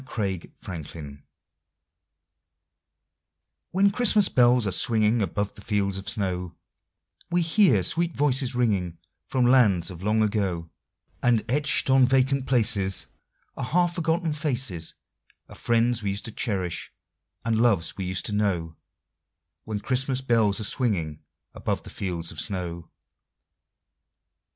CHRISTMAS FANCIES When Christmas bells are swinging above the fields of snow, We hear sweet voices ringing from lands of long ago, And etched on vacant places Are half forgotten faces Of friends we used to cherish, and loves we used to know— When Christmas bells are swinging above the fields of snow.